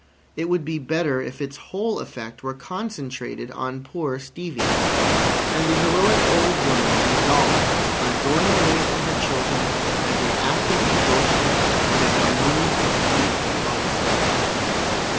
It would be better if its whole effect were concentrated on poor Stevie. And the heroic old woman resolved on going away from her children as an act of devotion and as a move of deep policy.